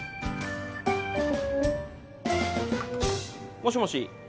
もしもし。